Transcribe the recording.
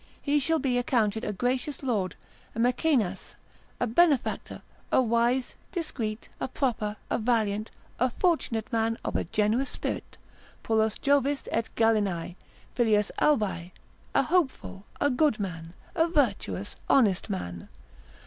He shall be accounted a gracious lord, a Mecaenas, a benefactor, a wise, discreet, a proper, a valiant, a fortunate man, of a generous spirit, Pullus Jovis, et gallinae, filius albae: a hopeful, a good man, a virtuous, honest man.